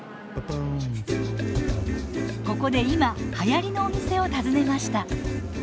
ここで今はやりのお店を訪ねました。